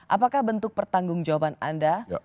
apakah bentuk pertanggung jawaban anda